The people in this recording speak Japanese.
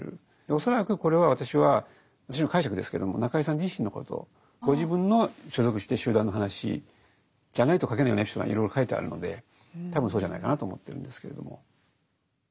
恐らくこれは私は私の解釈ですけどもご自分の所属してる集団の話じゃないと書けないようなエピソードがいろいろ書いてあるので多分そうじゃないかなと思ってるんですけれども。